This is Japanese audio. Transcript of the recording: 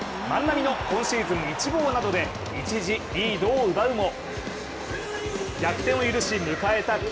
万波の今シーズン１号などで一時、リードを奪うも逆転を許し迎えた